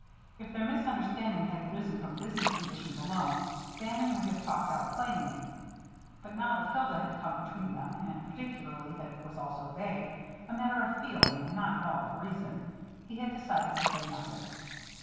If their misunderstanding had arisen from business conditions alone, Bannon would have talked out plainly. But now that Hilda had come between them, and particularly that it was all so vague a matter of feeling, and not at all of reason he had decided to say nothing.